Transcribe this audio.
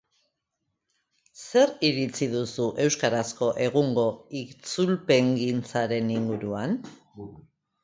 Zer iritzi duzu euskarazko egungo itzulpengintzaren inguruan?